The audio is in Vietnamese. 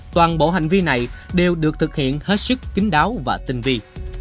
toàn bộ hành vi này đều được thực hiện hết sức kính đáo và tinh vi